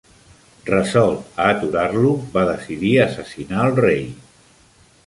Resolt a aturar-lo, va decidir assassinar el rei.